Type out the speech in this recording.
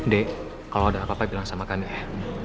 d kalau ada apa apa bilang sama kami ya